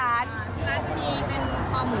ที่ร้านจะมีเป็นข้อหมูค่ะ